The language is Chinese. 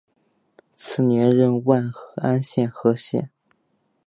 次年任万安县知县。